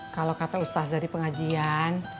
kalau kata ustaz dari pengajian